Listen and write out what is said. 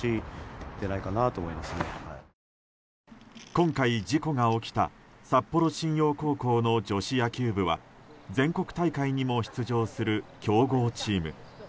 今回、事故が起きた札幌新陽高校の女子野球部は全国大会にも出場する強豪チーム。